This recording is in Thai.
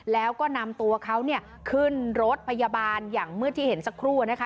แล้วก็นำตัวเขาเนี่ยขึ้นรถพยาบาลอย่างมืดที่เห็นสักครู่นะคะ